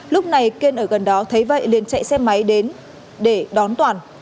lúc này kiên ở gần đó thấy vậy liền chạy xe máy đến để đón toàn